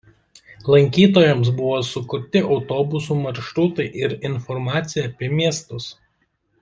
Lankytojams buvo sukurti autobusų maršrutai ir informacija apie miestus.